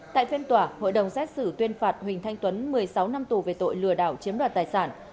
tại phiên tòa hội đồng xét xử tuyên phạt huỳnh thanh tuấn một mươi sáu năm tù về tội lừa đảo chiếm đoạt tài sản